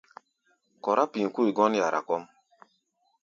Kɔrá pi̧i̧ kui gɔ́n yara kɔ́ʼm.